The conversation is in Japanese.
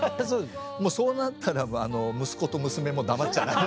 もうそうなったらば息子と娘も黙っちゃいない。